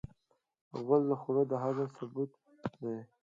غول د خوړو د هضم ثبوت دی.